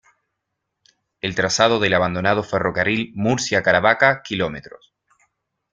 El trazado del abandonado ferrocarril Murcia-Caravaca, km.